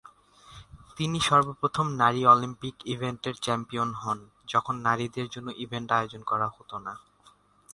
তিনি সর্বপ্রথম নারী অলিম্পিক ইভেন্টের চ্যাম্পিয়ন হন যখন নারীদের জন্য ইভেন্ট আয়োজন করা হতো না।